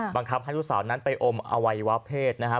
บังคับให้ลูกสาวนั้นไปอมอวัยวะเพศนะครับ